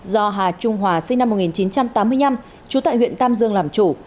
do hà trung hòa sinh năm một nghìn chín trăm tám mươi năm trú tại huyện tam dương làm chủ